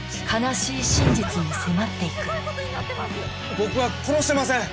僕は殺してません！